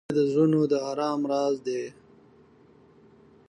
• مینه د زړونو د آرام راز دی.